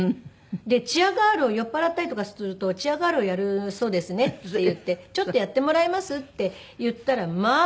でチアガールを「酔っ払ったりとかするとチアガールをやるそうですね」って言って「ちょっとやってもらえます？」って言ったらまあ